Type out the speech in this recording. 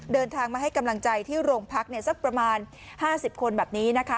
เดินทางมาให้กำลังใจที่โรงพักสักประมาณ๕๐คนแบบนี้นะคะ